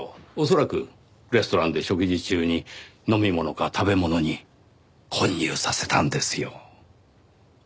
恐らくレストランで食事中に飲み物か食べ物に混入させたんですよ。